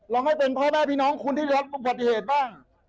เราให้เป็นพ่อแม่พี่น้องคุณที่รับอุบัติเหตุบ้าง